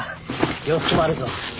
洋服もあるぞ。